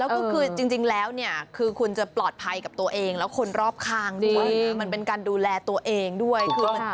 แล้วก็คือจริงแล้วเนี่ยคือคุณจะปลอดภัยกับตัวเองแล้วคนรอบข้างด้วยนะมันเป็นการดูแลตัวเองด้วย